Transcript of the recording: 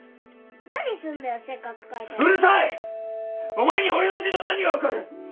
お前に俺の字の何が分かる！